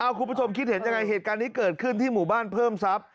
คุณผู้ชมคิดเห็นยังไงเหตุการณ์นี้เกิดขึ้นที่หมู่บ้านเพิ่มทรัพย์